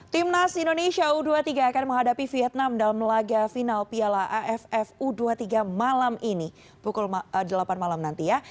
timnas indonesia u dua puluh tiga akan menghadapi vietnam dalam laga final piala aff u dua puluh tiga malam ini pukul delapan malam nanti ya